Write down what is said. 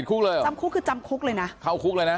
จำคุกคือจำคุกเลยนะเข้าคุกเลยนะ